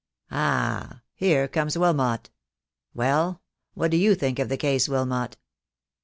Ah, here comes Wilmot. Well, what do you think of the case, Wilmot?"